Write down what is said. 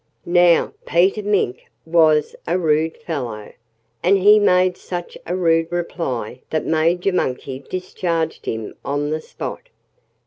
Now, Peter Mink was a rude fellow. And he made such a rude reply that Major Monkey discharged him on the spot.